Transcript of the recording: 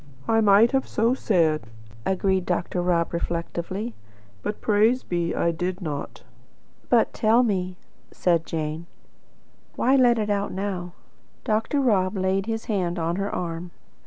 "I might have so said," agreed Dr. Rob reflectively; "but praise be, I did not." "But tell me" said Jane "why let it out now?" Dr. Rob laid his hand on her arm.